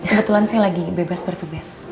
kebetulan saya lagi bebas bertugas